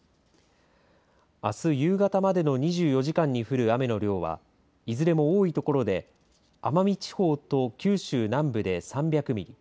あす夕方までの２４時間に降る雨の量はいずれも多いところで奄美地方と九州南部で３００ミリ